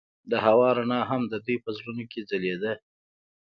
د هوا رڼا هم د دوی په زړونو کې ځلېده.